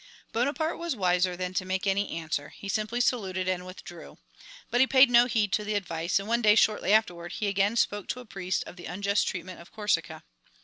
Bonaparte was wiser than to make any answer, he simply saluted and withdrew. But he paid no heed to the advice, and one day shortly afterward he again spoke to a priest of the unjust treatment of Corsica.